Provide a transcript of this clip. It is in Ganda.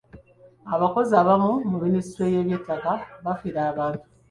Abakozi abamu mu minisitule y’eby'ettaka bafera abantu.